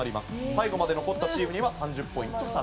最後まで残ったチームには３０ポイント差し上げます。